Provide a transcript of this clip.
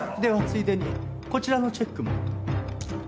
ついでにこちらのチェックも。